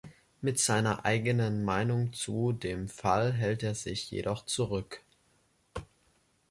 Mit seiner eigenen Meinung zu dem Fall hält er sich jedoch zurück.